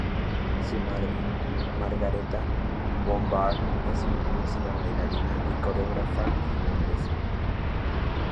Su madre, Margaretha von Bahr, es una conocida bailarina y coreógrafa finlandesa.